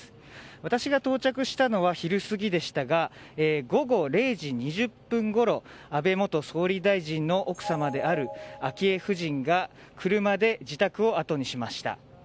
私が到着したのは昼過ぎでしたが午後０時２０分ごろ安倍元総理大臣の奥様である昭恵夫人が車で自宅をあとにしました。